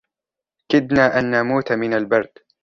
كدنا أن نموت من البرد.